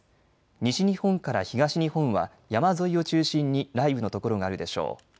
西日本から東日本は山沿いを中心に雷雨の所があるでしょう。